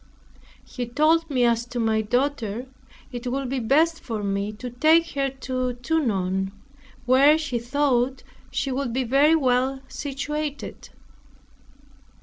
He told me as to my daughter, it would be best for me to take her to Tonon, where he thought she would be very well situated.